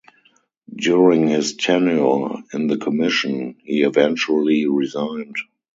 During his tenure in the commission, he eventually resigned.